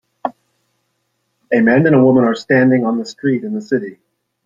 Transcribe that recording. A man and a woman are standing on the street in the city.